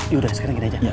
yaudah sekarang gini aja